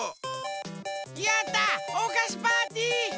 やったおかしパーティー！